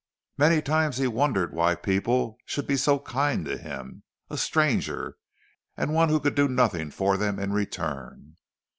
Many times he wondered why people should be so kind to him, a stranger, and one who could do nothing for them in return.